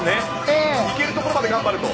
行けるところまで頑張ると。